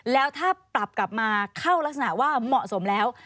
แล้วถ้าปรับกลับมาเข้ารักษณะว่าเหมาะสมแล้ว